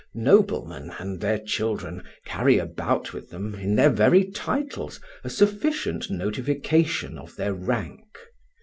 Noblemen and their children carry about with them, in their very titles, a sufficient notification of their rank.